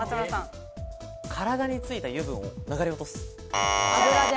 体についた油分を流れ落とす。